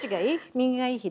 左がいい？